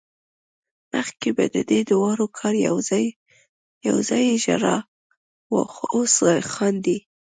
مخکې به ددې دواړو کار يوازې ژړا وه خو اوس خاندي